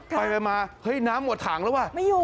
ไปมาเฮ้ยน้ำหมดถังแล้วว่ะ